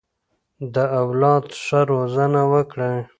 د اولاد ښه روزنه وکړئ.